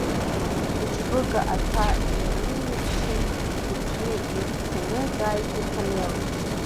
Иҽбыга аҭәа иналаиршьшьын, ибжьы ҩыҭцаны ҿааиҭит Ҭамел.